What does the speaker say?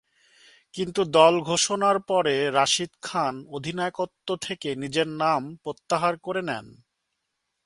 কিন্তু দল ঘোষণার পরে রাশিদ খান অধিনায়কত্ব থেকে নিজের নাম প্রত্যাহার করে নেন।